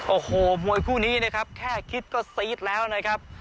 โอ้โหมวยคู่นี้นะครับแค่คิดก็ซีดแล้วนะครับ